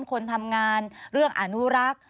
คนทำงานเรื่องอนุรักษ์